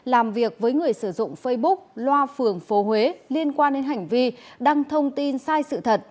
làm việc với người sử dụng facebook loa phường phố huế liên quan đến hành vi đăng thông tin sai sự thật